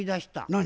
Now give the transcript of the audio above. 何？